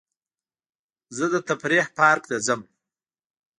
زه د تفریح پارک ته ځم.